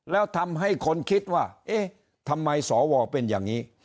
แล้วทำให้คนคิดว่าเอ๊ะทำไมสวเป็นอย่างนี้